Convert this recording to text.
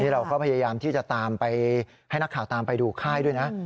เราก็พยายามที่จะตามไปให้นักข่าวตามไปดูค่ายด้วยนะ